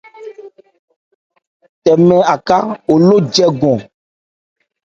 Tɛmɛ Aká oló jɛ́gɔn.